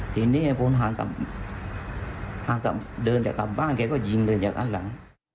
ทีนี้ผมห่างเดินจะกลับบ้านแกก็ยิงเลยจากด้านหลัง